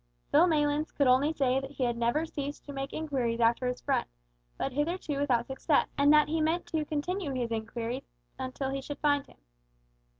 Phil Maylands could only say that he had never ceased to make inquiries after his friend, but hitherto without success, and that he meant to continue his inquiries until he should find him.